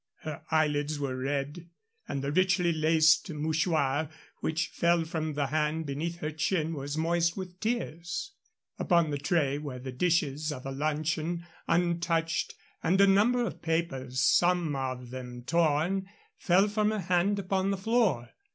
Her eyelids were red, and the richly laced mouchoir which fell from the hand beneath her chin was moist with tears. Upon a tray were the dishes of a luncheon, untouched, and a number of papers, some of them torn, fell from her hand upon the floor.